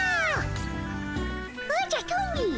おじゃトミー。